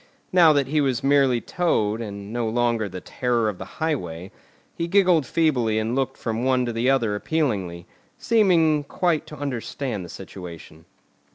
Now that he was merely Toad, and no longer the Terror of the Highway, he giggled feebly and looked from one to the other appealingly, seeming quite to understand the situation.